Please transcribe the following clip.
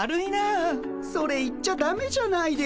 それ言っちゃだめじゃないですか。